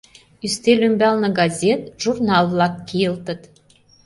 Ӱстел ӱмбалне газет, журнал-влак кийылтыт.